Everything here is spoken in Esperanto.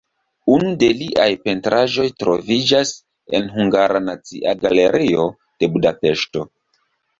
Unu de liaj pentraĵoj troviĝas en Hungara Nacia Galerio de Budapeŝto.